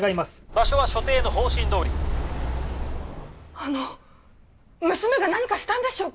場所は所定の方針どおりあの娘が何かしたんでしょうか？